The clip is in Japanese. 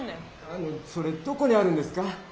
あのそれどこにあるんですか？